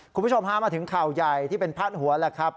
คุณผู้ชมพามาถึงข่าวใหญ่ที่เป็นพาดหัวแหละครับ